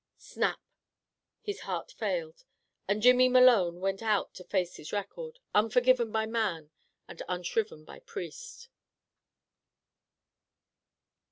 Snap! his heart failed, and Jimmy Malone went out to face his record, unforgiven by man, and unshriven by priest.